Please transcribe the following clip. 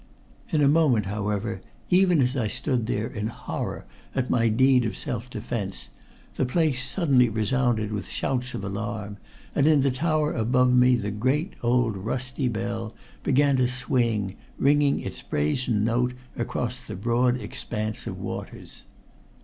In a moment, however, even as I stood there in horror at my deed of self defense, the place suddenly resounded with shouts of alarm, and in the tower above me the great old rusty bell began to swing, ringing its brazen note across the broad expanse of waters.